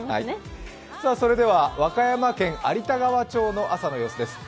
それでは和歌山県有田川町の朝の様子です。